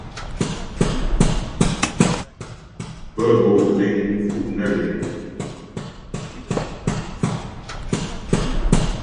Bə́́ bo' deŋ nku' nə́ liŋ.